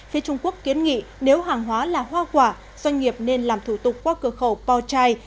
phía trung quốc kiến nghị nếu hàng hóa là hoa quả doanh nghiệp nên làm thủ tục qua cửa khẩu po chai